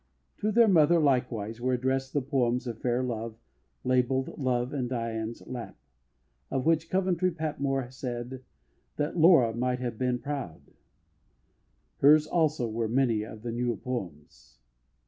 To their mother likewise were addressed the poems of Fair Love, labelled Love in Dian's Lap, of which Coventry Patmore said that "Laura might have been proud"; hers also were many of the New Poems.